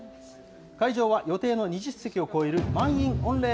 会場は予定の２０席を超える満員御礼。